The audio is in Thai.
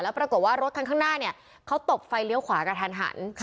ปรากฏว่ารถคันข้างหน้าเนี่ยเขาตบไฟเลี้ยวขวากระทันหัน